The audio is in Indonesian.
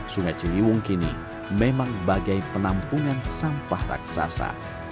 sungai ciliwung kini memang bagai penampungan sampah raksasa